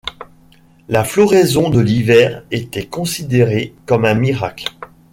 La floraison de l'hiver était considérée comme un miracle.